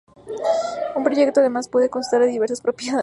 Un proyecto, además, puede constar de diversas propiedades.